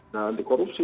nah anti korupsi